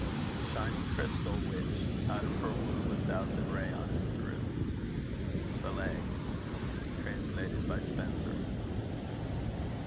shining crystal, which Out of her womb a thousand rayons threw. BELLAY: translated by Spenser.